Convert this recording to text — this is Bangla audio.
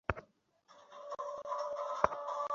লক্ষ্যবস্তুতে আমরা বেশ নিখুঁতভাবে আঘাত হানতে পারব।